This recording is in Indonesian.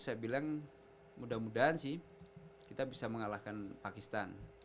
saya bilang mudah mudahan sih kita bisa mengalahkan pakistan